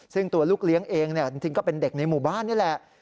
ซึ่งตัวลูกเลี้ยงเองจริงก็เป็นเด็กในหมู่บ้านนี่แหละ